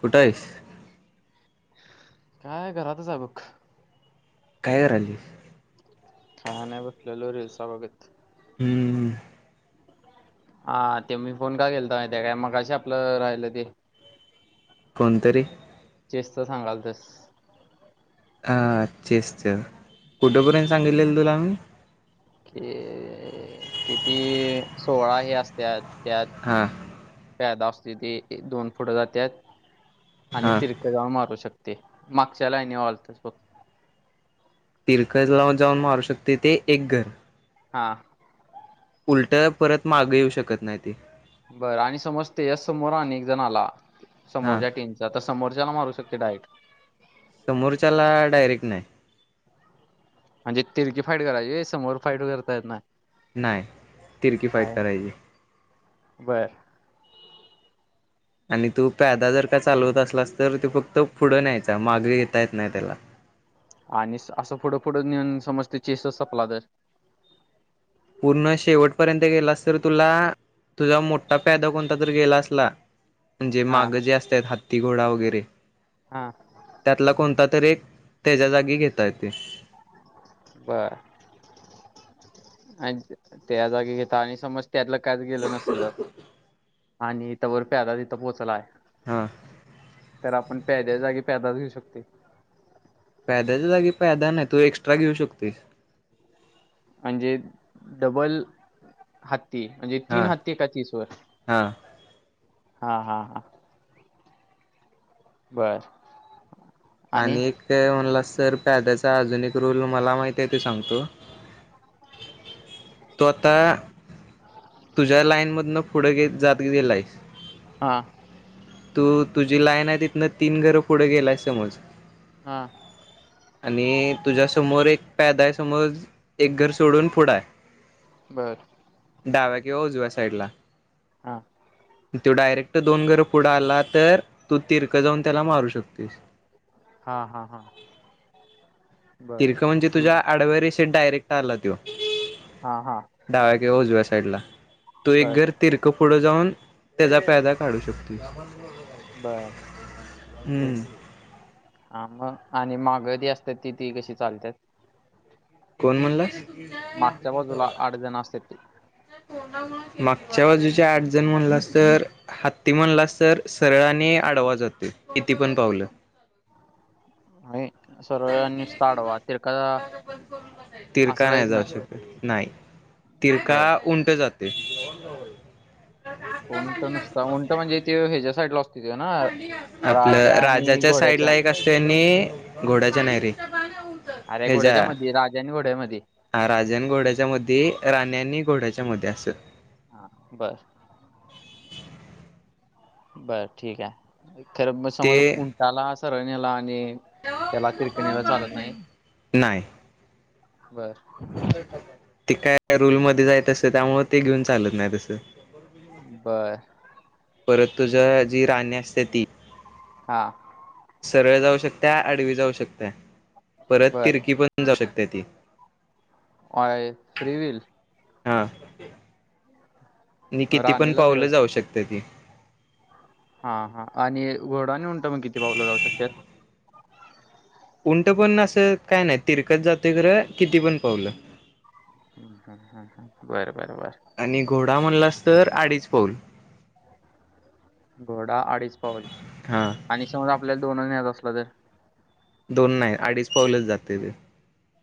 कुठयस काय घरातच आहे बघ काय वर आली? काय नाय रे बसलेलो रे सावलीत. हम्मम हा ते मी फोन का केल ता माहितीका? मगाशी आपलं राहिलं ते कोणतरी? तेच तर सांगालतस हा तेच तर हा. कुठेपर्यंत सांगितलेल तुला? ह. कि किती सोळा हे असतात. हा. प्यादा असत्या त्यात दोन फुट घेत्यात आणि हा तिरकं जाऊन मारू शकत ते मागच्या लाईनीवर आलतच बघ. तिरक जवळ जाऊन मारू शकते ते एक घर. हा. उलट परत माग येऊ शकत नाही ते. बरं आणि समजते याच समोर आणि एक जण आला हा समोरच्या टीनचा तस समोरच्याला मारू शकते डाईट समोरच्याला डायरेक नाही हा ती तिरकी फाईट करायची समोर फाईट करता येत नाही. नाही तिरकी फाईट हाय करायची. बर आणि तू प्यादा जर का चालवत असलास तर त्यो फक्त पुढं न्यायचा मागे घेता येत नाही त्याला. आणि असं फोटो फोटो नेऊन समज ते चेस संपला तर पूर्ण शेवटपर्यंत गेलास तर तुला तुझा मोठा पॅदा कोणता तर गेला असला म्हणजे हा माग जे असतात हात तिघोडा वगैरे हा त्यातला कोणता तरी एक त्याच्या जागी घेतायेत ते. बर आणि त्या जागी घेता आणि समज त्यातलं काच गेलं नसल आणि इथं वर प्याता तिथं पोचलाय. हा. तर आपण प्यादाच्या जागी पॅदाच घेऊ शकते. प्यादाच्या जागी पैदा नाही, तू एक्स्ट्रा घेऊ शकतेस. म्हणजे? डबल हत्ती? म्हणजे हा तीन हत्ती एका चीसवर? हा हा हा हा बरं आणि म्हणलास तर पद्याचा अजून एक रूल मला माहिती आहे ते सांगतो तो आता तुझ्या लाईन मधनं पुढेे जात गेेला आहे हा तू तुझी लाईन आहे तिथनं तीन घरं पुढे गेलाय समज हा आणि तुझ्यासमोर एक पॅदा आहे समोर, एक घर सोडून पुडा आहे बरं डाव्या किंवा उजू्या साईडला हा तो डायरेट दोन घर पुडा आला तर तू तिर्क जाऊन त्याला मारू शकतेस हा हा हा बर तर्क म्हणजे ठीक तुझ्या आहे. आडव्या रेष ते डायरेक्ट आला त्यों हा हा डाव्या किवा उजव्या साईडला तो एक बर घर तिरक पुढ जाऊन त्याचा प्यादा काढू शकतो, बर ठीक हम्म आहे हा मग आणि मागं त्या असतात ती, ती कशी चालत्यात कोण म्हणला? मागच्या बाजूला आठ जण असतात ते मागच्या बाजूच्या आठ जण म्हणलास तर हत्ती म्हणलास तर सरळने आडवा जातो, किती पण पावलं आणि, सर्व नुसता आडवा तिरका असं तिरका नाही जायत ना. जाऊ शकत नाही. तिरका बर उंट जातो. ते उंट नसता उंट म्हणजे ते ह्याच्या्या साइडला असतो. त्यो ना आपलं राजा आणि राजाच्या साईडला घोड्याच्या एक असते आणि घोड्याच्या नाहीरे, अरे ह्याचा, घोड्याच्या मध्ये राजा आणि घोड्यामध्ये ह राज आणि घोड्याच्या मध्ये राण्यानी. घोड्याच्या मध्ये असं. हा, बस. बरं, ठीक आहे. खर मग समज उंटाला असं र नेला आणि त्याला तिरकणीला चालत नाही नाय बर ते काय? त्या रूलमध्येच आहे तसं त्यामुळ ते घेऊन चालत नाय तसं. बर. परत तुझ्या जी राणी असत्या ती. हा. सरळ जाऊ शकत्या आडवी जाऊ शकत्या. परत बर तिरकी पण जाऊ शक तेती. अय फ्री विल. हा. आणि किती पण राणीला पावलं जाऊ शकत्या ती. हा हा, आणि घोडा आणि उंट मग किती पावलं जाऊ शकत्यात. उंट पण असं काय नाही तिरकत जातोय खरं किती पण पावलं. ह ह् ह बर बर बर. आणि घोडा म्हणलास तर अडीच पाऊल. घोडा अडीच पाऊल हा आणि समजा आपल्याला दोन य बदर. दोन नाही अडीच पावलेच जाते ते.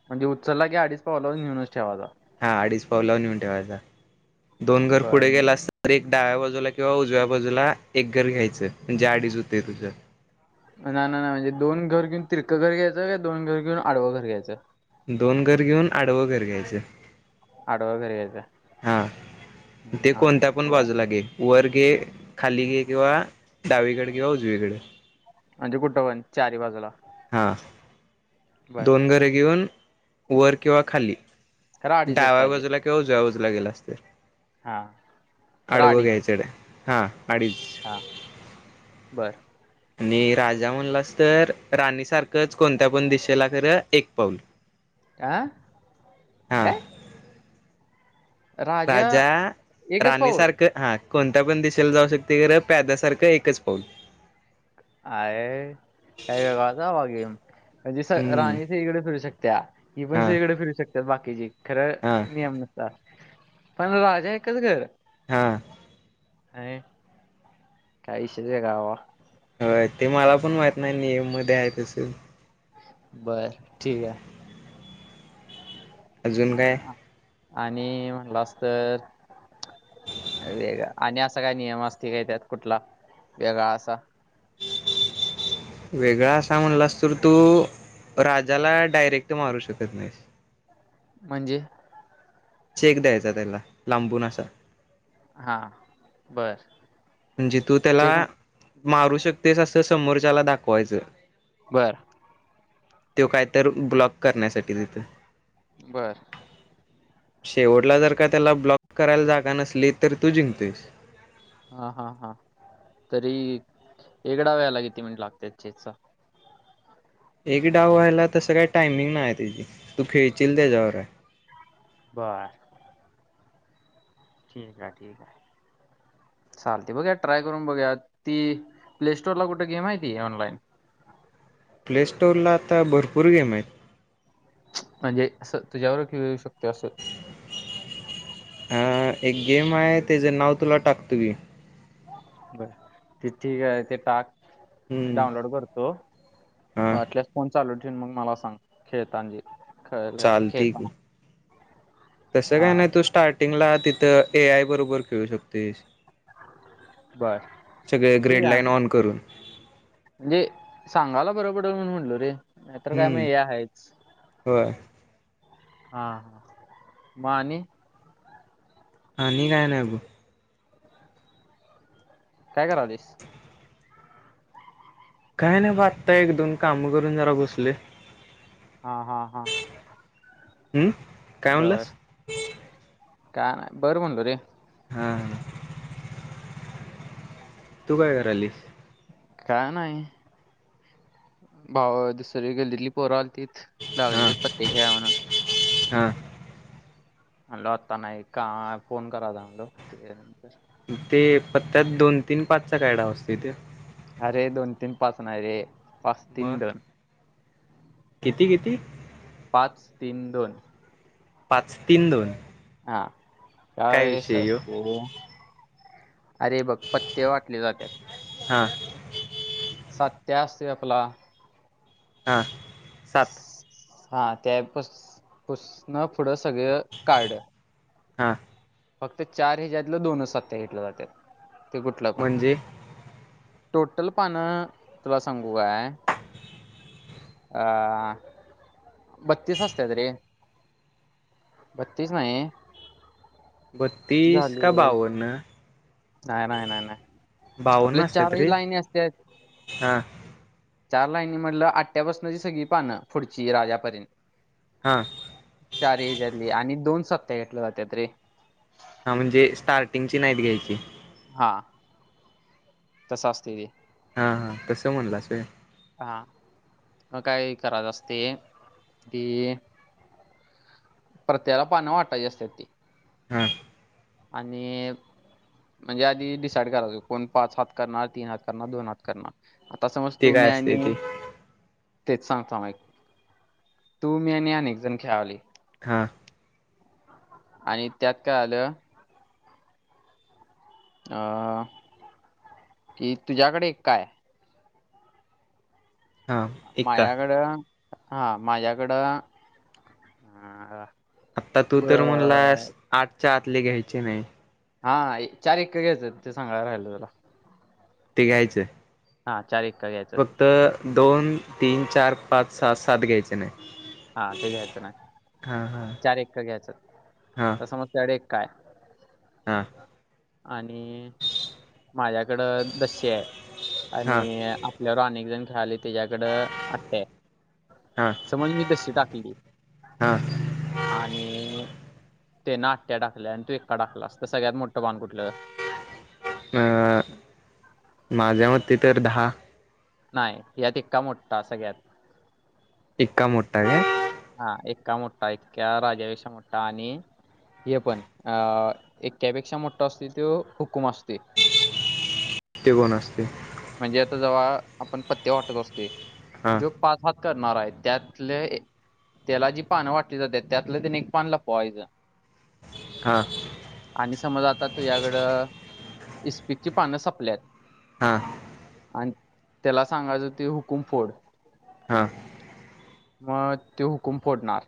म्हणजे उचलला की अडीच पाव लावरून नेऊनच ठेवायचा. हा अडीच पाव लाव नऊून ठेवायचा. दोन घर बर पुढे गेला म्हणजे अस एक डाव्या बाजूला किंवा उजव्या बाजूला एक घर घ्यायचं म्हणजे आडीच होते तुझं. ना ना ना म्हणजे दोन घर घेऊन तिरकं घर घ्यायचं का दोन घर घेऊन आडवं घर घ्यायचं. दोन घर घेऊन आडवं घर घ्यायचं. आडवा घैरे यायचं हा हम् हा ब गे खाली गे किंवा डावीकडे किंवा उजवीकडे म्हणजे कुठं पण चारी बाजूला. हा बर. दोन घरे घेऊन वर किंवा खाली खरं अडीचच डाव्या बाजूला किंवा उजव्या बाजू जला गेला असत. हा खरा अडीचंच. हा अडीच हा बर आणि राजा म्हणलास तर राणी सारखंच कोणत्या पण दिशेला खरं एक पाऊल आं हा काय राजा, एकच राणी पाऊल? सारखं हा. कोणत्या पण दिशाला जाऊ शकते प्यादासारखं एकच पाऊल [unintelligible] म्हणजे स हम्म राणी सगळीकडे फिरू शकत्या ही पण हा सगळीकडे फिरू शकतात बाकीचे खरं हा नियम नसतात. पण राजा एकच घर हा. नाही काही आहे गावावर. हो ते मला पण माहीत नाही नियम मध्ये आहे तसं. बर ठीक आहे. अजून काय? आणि म्हटलं अस तर वेग आणि असा काय नियम असतील काय त्यात कुठला वेगळा असा. वेगळा असा म्हणला अस तर तू राजाला डायरेक्ट मारू शकत नाहीस. म्हणजे चेक द्यायचा त्याला लांबून असा. हा बर. म्हणजे तू त्याला चेक मारू शकतेस अस. समोरच्याला दाखवायचं तर बर. तो काय तर ब्लॉक करण्यासाठी देतोय. बर. शेवटला जर का त्याला ब्लॉक करायला जागा नसली तर तु जिंकतोयस. हा हा हा तरी एक डावाला वेळाला किती मिनिट लागते याचा एक डाव व्हायला तसं काही टायमिंग नाही त्याची तु खेळशील त्याच्यावर आहे. बर. ठीक आहे, चाल ते बघुया ट्राय करून बघुया, ती प्ले स्टोर ला कुठे गेम आहे ती ऑनलाइन प्लेस्टोअरला आता भरपूर गेम आहेत. म्हणजे असं तुझ्याबरोबर खेळू शकतो नाहीत ते अस. अ एक गेम आहे त्याच नाव तुला टाकतो, मी बर ते ठीक आहे ते टाक. मी हम्म डाउनलोड करतो, हा वाटल तर फोन. चालू ठेव मग मला सांग खेळतांनी खेळेल आणि चालते की खेळतानी तसं काय नाही तु स्टार्ट. जिंकला तिथं एआय बरोबर खेळू शकतेस. बर सगळे ठीक ग्रेड आहे लाइन ऑन करून म्हणजे सांगायला बरं पडेल म्हणून म्हटलो रे, नाही तर काय मी हम्म हे आहेच. होय हा म आणि आणि काय नाही ब. ग काय करालायीस काय नाही ब आता एक दोन काम करून जरा बसलोय. हा हा हा हम्म काय म्हणलास? का नाही बरं म्हणलो रे. हां हा. तू काय करायलयीस काय नाही. भावा दुसरी गल्लीतली पोर आलतीत. तीच हा लागलेलीत पत्ते खेळूया म्हणून. हा आलो आता नाही का फोन करायचाय म्हटलो ते पत्त्यात दोन तीन पाचचा काय डाव असतोय तो अरे दोन तीन पाच नाय रे पाच मग तीन दोन किती किती पाच तीन दोन पाच तीन दोन हां. काय विषय सास ह्यो तु अरे बघ पत्ते वाटले जात्यात. हां सत्या असतोय आपला. हा. सात हा त्या पुसन पुढं सगळं कार्ड हा फक्त चार हे ज्यातलं दोनच सत्या घेतलं जात्यात ते कुठलं पण म्हणजे टोटल पानं तुला सांगू काय अ बत्तीस असत्यात रे बत्तीस नाही. किती बत्तीस का झाले बाव्वन नाही नाही नाही नाही आपले असतात चारही रे लाईनी असत्यात हा चार लाईनी म्हटलं आटट्यापासनची सगळी पानं पुढची राजापर्यंत हा चारी हेजातली आणि दोन सत्या घेतलं जात्यात रे हा म्हणजे स्टार्टिंगची नाहीत घ्यायची हा तस असतय ते. हा हा तस म्हणलाचय हा मग काय करायच असते ती प्रत्येला पानं वाटायची असते ती हम आणि म्हणजे आधी डिसाइड कराच कोण पाच हात करणार तीन हात करणार दोन हात करणार आता समज ते तु मी काय आहे असते आणि ते तेच सांगतो एक तू मी आणि एक जण खेळालोय हा आणि त्यात काय आलं अं कि तुझ्याकडे एका आहे हा एक्का माझ्याकडे हा माझ्याकडं आता तू तर ग- म्हणलास आठ आतले घ्यायचे नाही हा चार घ्यायचं ते सांगाय राहिलं तला ते घ्यायचंय अ फक्त दोन तीन चार पाच सहा सात घ्यायचे नाही हा ते घ्यायचं ना हा हा चार एक घ्यायच‌ हा तर समज काय हा आणि माझ्याकडं दश्या आहे आणि हा आपल्यावर अनेक जण झाले त्याच्याकड आटया आहे हा समज मी तशी टाकली हा आणि ते ना आट्या टाकल्या आणि तू इका टाकला अस सगळ्यात मोठं बाण कुठलं अं माझ्या मती तर दहा नाही यात इिकका मोठठा सगळ्यात इका मोठा काय हा एका मोठा इकका राजापेक्षा मोठा आणि हे पण अ इक्यापेक्षा मोठा असतो तो हुकुम असतो ते कोण अ म्हणजे आता जेव्हा आपण पत्ते वाटत असतोय हां जो पाच करणार आहे त्यातले त्याला जी पानं वाटली जाते त्यातलं त्याने एक पान लपवायचं हां आणि समज आता तुझ्याकडे इस्पिकची पानं सपल्यात हा आणि त्याला सांगायचं ते हुकुम फोड हा मग ते हुकुम फोडणार.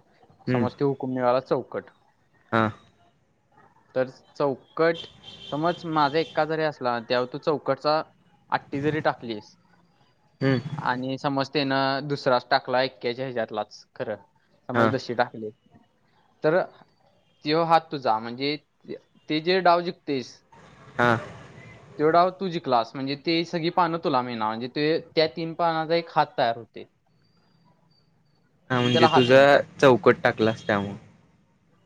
हम्म समजते हुकूम [unintelligible] कट हा तर चौकट समज माझा एका जरी असला तेव्हा तो चौकटचा आठी जरी टाकली हम्म आणि समज तेनं दुसराच टाकला एक्याच्या याच्यातल्या खरं हा समाज दशी टाकले तर तेव्हा हात तुझा म्हणजे ते जे डाव जिकतेस हा त्यो डाव तू जिंकलास म्हणजे ती सगळी पानं तुला मिळणार म्हणजे एक त्या तीन पानाचा एक हात तयार होतो. हा म्हणजे तुझा चौकट टाकलास त्यामु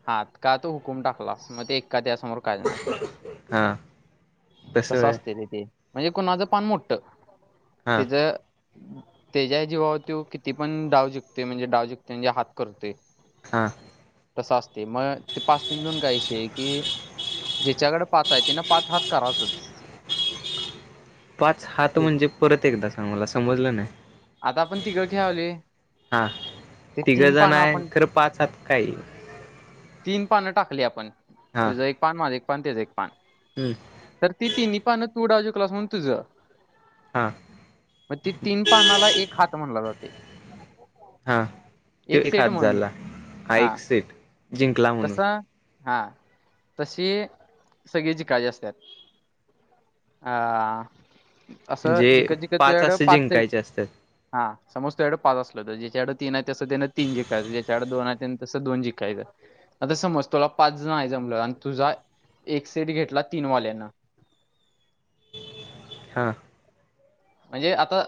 हा का तू हुकूम टाकलास मग का त्या समोर काज हा नाही तसं तस होय असते तेे म्हणजे कोणाचं पानमुट्ट हा तिचं ते ज्या जीवावरती किती पण डाव जििकते म्हणजे डाव जिकते म्हणजे हात करते हा तसं असते मग ते पाच तीन दोन काय विषय कि ज्याच्याकडे पाच आहे ति ना पाच हात करायचच पाच हात म्हणजे परत एकदा हां मला समजलं आता आपण नाही तिघं खेळावले हा ते तिघं तीन जण पानं आहे आपण खरं पाच हात काय तीन पानं टाकली आपण हा तुझा एक पान पण तेज एक हम्म तर ती तिन्ही पान तू डाव जिकलास म्हणून तुझं हा मग त तीन एक हात म्हणला जातोय हा त एक हात झाला हा एक सिट जिंकला म्हणून तसा हा तशी सगळी जी काजी असतात अ असं जिकत जिकत पाच तुझ्याकडं असे सेट जिंकायचे असतात हा समज तुझ्याकडे पाच असल तर ज्याच्याकड तीन आहे तस त्यानं तीन जिकायच ज्याच्याकडडे दोन आहे तसं दोन जिंकायचं आता समज तुला पाच जण आहे जमलं आणि तुझा एक सेट घेतला तीन वाल्यांना हा म्हणजे आता.